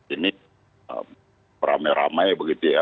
ini beramai ramai begitu ya